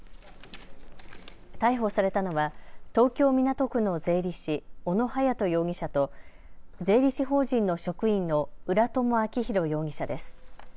逮捕されたのは東京港区の税理士、小野敏人容疑者と税理士法人の職員の浦塘晃弘容疑者です。